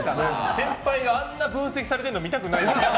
先輩があんなに分析されてるの見たくないよね。